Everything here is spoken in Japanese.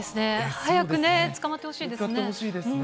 早くね、捕まってほしいですね。